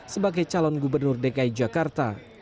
sebagai calon gubernur dki jakarta